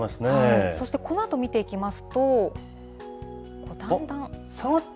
そして、このあと見ていきますと、だんだん。